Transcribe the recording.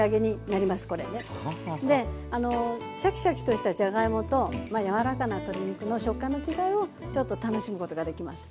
であのシャキシャキとしたじゃがいもと柔らかな鶏肉の食感の違いをちょっと楽しむことができます。